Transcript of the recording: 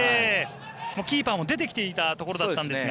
キーパーも出てきていたところだったんですが。